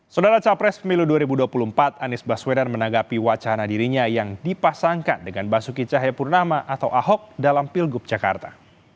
saudara capres pemilu dua ribu dua puluh empat anies baswedan menanggapi wacana dirinya yang dipasangkan dengan basuki cahayapurnama atau ahok dalam pilgub jakarta